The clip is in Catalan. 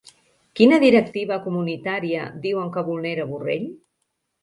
Quina directiva comunitària diuen que vulnera Borrell?